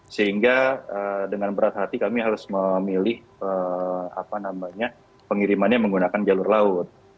sehingga dengan berat hati kami harus memilih pengirimannya menggunakan jalur laut